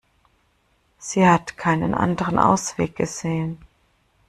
Sie hat keinen anderen Ausweg gesehen.